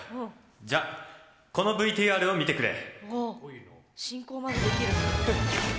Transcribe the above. じゃあ、このＶＴＲを見てくれ！